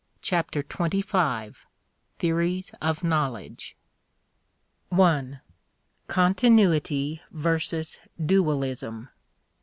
Chapter Twenty five: Theories of Knowledge 1. Continuity versus Dualism.